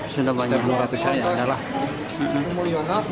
sudah banyak seratus an